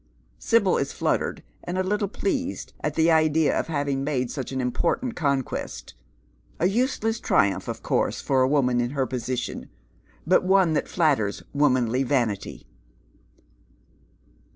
Sibyl is fluttered and a little pleased at the idea of having made such an important conquest, — a useless tiiumph, of course, for u. woman iu her position, bat one that flatters womanly vanity.